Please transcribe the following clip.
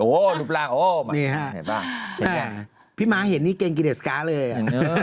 โอ้โหรูปร่างโอ้โหเห็นป่ะพี่มาร์ทเห็นนี่เกรงกินเอสก้าเลย